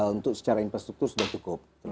untuk secara infrastruktur sudah cukup